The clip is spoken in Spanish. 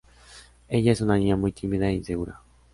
Ella es una niña muy tímida e insegura.